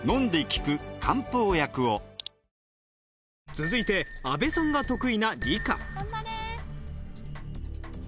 続いて阿部さんが得意な理科。